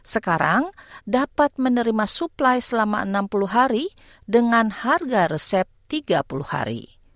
sekarang dapat menerima suplai selama enam puluh hari dengan harga resep tiga puluh hari